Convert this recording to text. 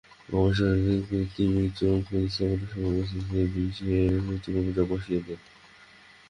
গবেষকেরা কৃত্রিম এই চোখ প্রতিস্থাপনের সময় মস্তিষ্কে বিশেষ একটি কম্পিউটার বসিয়ে দেন।